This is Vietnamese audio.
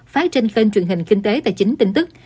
phát trên kênh truyền hình kinh tế tài chính tin tức